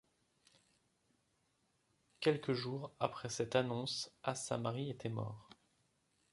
Quelques jours après cette annonce, as-Samarri était mort.